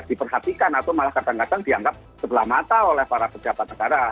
diperhatikan atau malah kadang kadang dianggap sebelah mata oleh para pejabat negara